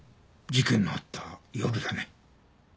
事件のあった夜だね。